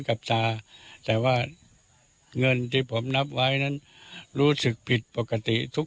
ก็จึงได้ยินแอบไทยรัฐธิตแรก